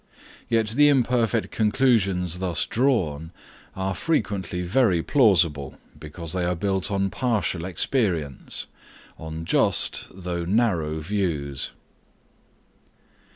Yet the imperfect conclusions thus drawn, are frequently very plausible, because they are built on partial experience, on just, though narrow, views.